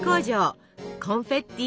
コンフェッティ